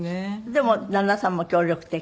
でも旦那さんも協力的？